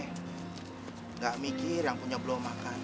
iya enggak mikir yang punya belum makan